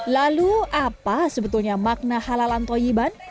lalu apa sebetulnya makna halalan toyiban